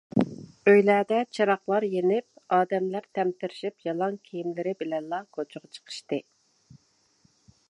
ئۆيلەردە چىراغلار يېنىپ ئادەملەر تەمتىرىشىپ يالاڭ كىيىملىرى بىلەنلا كوچىغا چىقىشتى.